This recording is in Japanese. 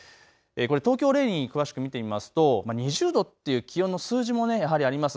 東京を例に詳しく見てみますと２０度っていう気温の数字もやはりあります。